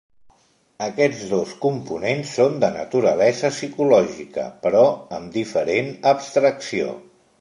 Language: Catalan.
Aquests dos components són de naturalesa psicològica, però amb diferent abstracció.